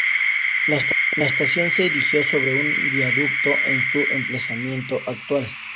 La estación se erigió sobre un viaducto en su emplazamiento actual.